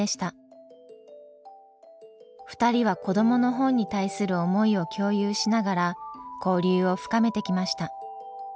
２人は子どもの本に対する思いを共有しながら交流を深めてきました。